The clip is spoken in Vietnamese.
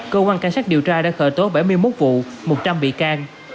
cơ quan cảnh sát điều tra đã khởi tố bảy mươi một vụ một trăm linh bị can